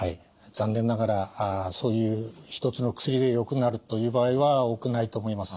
残念ながらそういう一つの薬でよくなるという場合は多くないと思います。